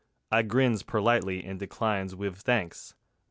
I grins perlitely and declines wiv thanks.